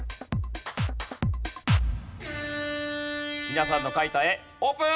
皆さんの描いた絵オープン！